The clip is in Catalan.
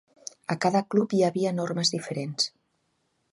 A cada club hi havia normes diferents.